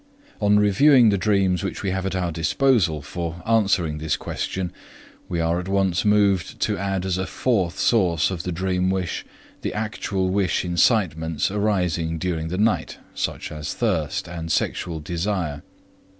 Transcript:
On reviewing the dreams which we have at our disposal for answering this question, we are at once moved to add as a fourth source of the dream wish the actual wish incitements arising during the night, such as thirst and sexual desire.